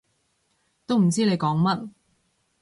都唔知你講乜